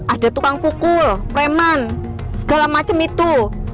ada tukang pukul preman segala macam itu